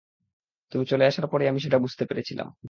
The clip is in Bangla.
তুমি চলে আসার পরই আমি সেটা বুঝতে পেরেছিলাম।